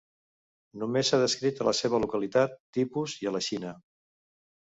Només s'ha descrit a la seva localitat tipus i a la Xina.